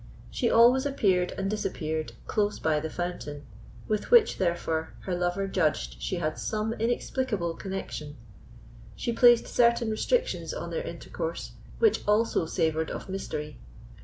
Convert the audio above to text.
She always appeared and disappeared close by the fountain, with which, therefore, her lover judged she had some inexplicable connexion. She placed certain restrictions on their intercourse, which also savoured of mystery.